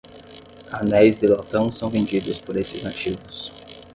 Anéis de latão são vendidos por esses nativos.